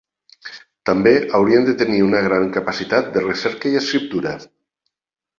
També haurien de tenir una gran capacitat de recerca i escriptura.